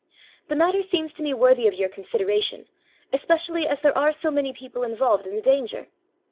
The matter seems to me worthy of your consideration, especially as there are so many people involved in the danger.